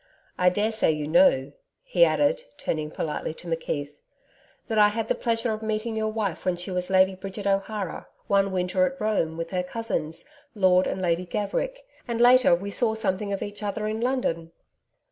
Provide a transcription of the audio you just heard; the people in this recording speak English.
I daresay you know,' he added, turning politely to McKeith 'that I had the pleasure of meeting your wife when she was Lady Bridget O'Hara, one winter at Rome, with her cousins, Lord and Lady Gaverick. And later, we saw something of each other in London.'